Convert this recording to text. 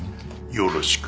よろしく。